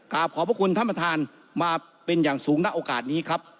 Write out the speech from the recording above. ขอบพระคุณท่านประธานมาเป็นอย่างสูงณโอกาสนี้ครับ